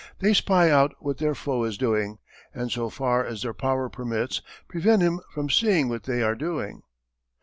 They spy out what their foe is doing, and so far as their power permits prevent him from seeing what they are doing.